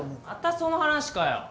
またその話かよ。